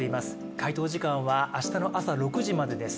回答時間は明日の朝６時までです。